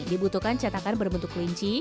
dibutuhkan cetakan berbentuk kelinci